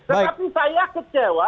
tetapi saya kecewa